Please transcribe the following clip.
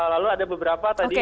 lalu ada beberapa tadi yang dibawa